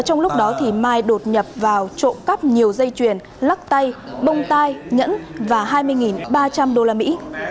trong lúc đó thì mai đột nhập vào trộm cắp nhiều dây chuyền lắc tay bông tai nhẫn và hai mươi ba trăm linh đô la mỹ